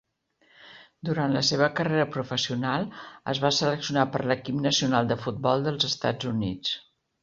Durant la seva carrera professional, es va seleccionar per l'equip nacional de futbol dels Estats Units.